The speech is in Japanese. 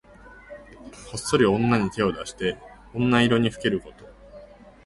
こっそり女に手を出して女色にふけること。